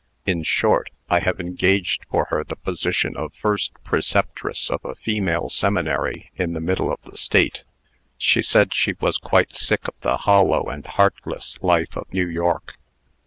In short, I have engaged for her the position of first preceptress of a female seminary in the middle of the State. She said she was quite sick of the hollow and heartless life of New York."